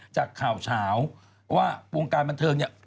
จากข่าวเฉาว่าวงการบันเทิงเนี่ย